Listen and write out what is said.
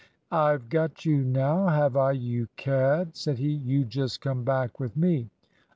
"I've got you now, have I, you cad?" said he. "You just come back with me."